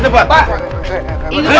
siapa yang menang